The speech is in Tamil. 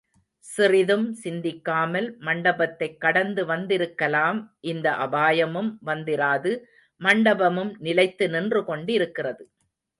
சிறிதும் சிந்திக்காமல், மண்டபத்தைக் கடந்து வந்திருக்கலாம் இந்த அபாயமும் வந்திராது மண்டபமும் நிலைத்து நின்று கொண்டிருக்கிறது.